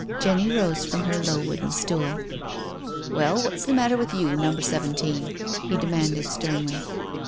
Jenny rose from her low wooden stool. " Well, what's the matter with you. Number Seven teen?" he demanded sternly.